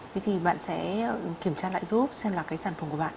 thế thì bạn sẽ kiểm tra lại giúp xem là cái sản phẩm của bạn